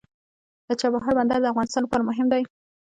د چابهار بندر د افغانستان لپاره مهم دی.